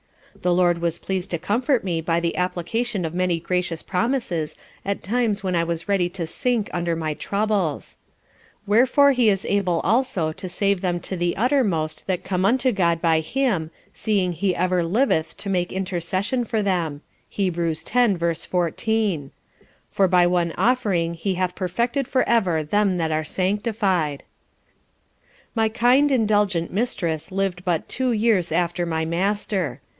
"_ The Lord was pleas'd to comfort me by the application of many gracious promises at times when I was ready to sink under my troubles. _"Wherefore He is able also to save them to the uttermost that come unto God by Him seeing He ever liveth to make intercession for them._ Hebrews x. ver. 14. For by one offering He hath perfected for ever them that are sanctified." My kind, indulgent Mistress liv'd but two years after my Master.